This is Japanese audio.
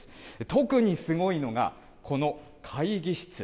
特にすごいのが、この会議室。